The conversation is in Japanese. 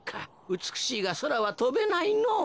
うつくしいがそらはとべないのぉ。